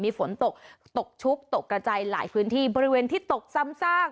มีฝนตกตกชุกตกกระจายหลายพื้นที่บริเวณที่ตกซ้ำซาก